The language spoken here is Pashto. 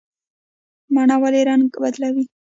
مڼه ولې رنګ بدلوي؟